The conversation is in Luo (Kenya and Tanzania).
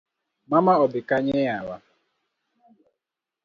Mama odhi Kanye yawa?